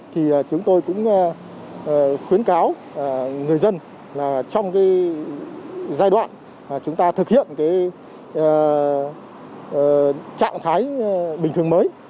thì chúng tôi cũng khuyến cáo người dân là trong cái giai đoạn chúng ta thực hiện trạng thái bình thường mới